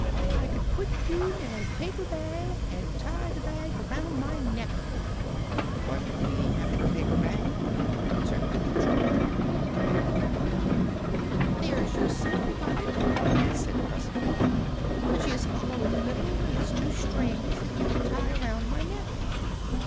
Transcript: "I could put you in a paper bag, and tie the bag around my neck." "But we haven't a paper bag," objected Trot. The Ork looked at her. "There's your sunbonnet," it said presently, "which is hollow in the middle and has two strings that you could tie around my neck."